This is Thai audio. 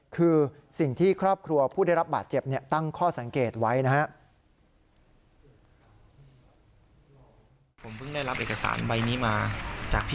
คือสิ่งที่ครอบครัวผู้ได้รับบาดเจ็บตั้งข้อสังเกตไว้นะครับ